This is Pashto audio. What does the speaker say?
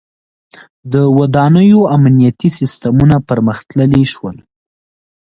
• د ودانیو امنیتي سیستمونه پرمختللي شول.